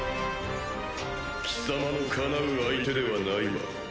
貴様のかなう相手ではないわ。